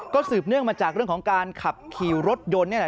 ก็สืบเนื่องมาจากเรื่องของการขับขี่รถโดน